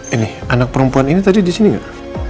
ini anak perempuan ini tadi di sini nggak